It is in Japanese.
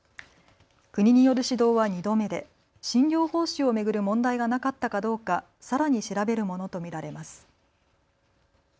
国による指導は２度目で診療報酬を巡る問題がなかったかどうかさらに調べるものと見られます。